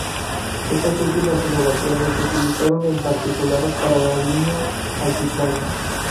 Estas últimas innovaciones se utilizaron, en particular, para la línea Altiplano.